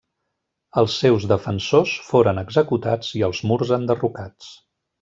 Els seus defensors foren executats i els murs enderrocats.